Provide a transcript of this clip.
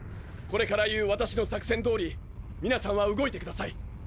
これから言う私の作戦通り皆さんは動いてください！